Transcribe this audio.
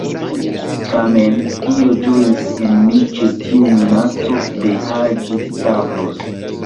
Tamen, io ĝojis en mi ĉe tiu minaco de Haĝi-Stavros.